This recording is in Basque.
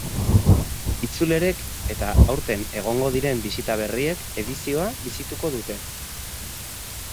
Itzulerek eta aurten egongo diren bisita berriek edizioa bizituko dute.